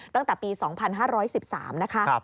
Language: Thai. ตั้งแต่ปี๒๕๑๓นะคะ